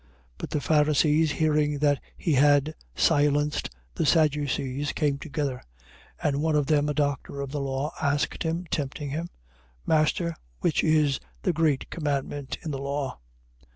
22:34. But the Pharisees, hearing that he had silenced the Sadducees, came together. 22:35. And one of them, a doctor of the law, asked him, tempting him: 22:36. Master, which is the great commandment in the law?